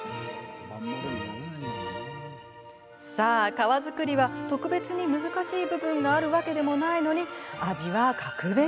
さあ皮作りは特別に難しい部分があるわけでもないのに味は格別。